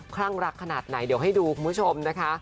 ครั้งรักขนาดไหนเดี๋ยวให้ดูคุณผู้ชมนะคะ